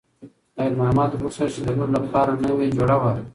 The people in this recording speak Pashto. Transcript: خیر محمد غوښتل چې د لور لپاره نوې جوړه واخلي.